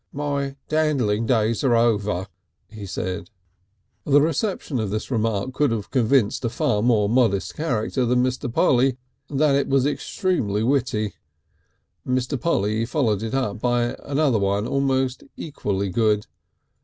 "My dandling days are over," he said. The reception of this remark would have convinced a far more modest character than Mr. Polly that it was extremely witty. Mr. Polly followed it up by another one almost equally good.